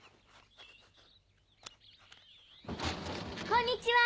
こんにちは。